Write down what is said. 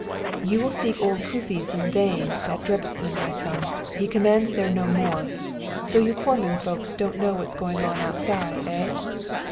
"'You will seek old Kóficz in vain at Debreczin, my son, he commands there no more. So you Comorn folks don't know what's going on outside, eh?